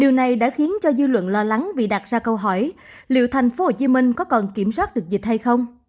điều này đã khiến cho dư luận lo lắng vì đặt ra câu hỏi liệu thành phố hồ chí minh có còn kiểm soát được dịch hay không